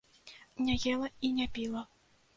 Не ела і не піла.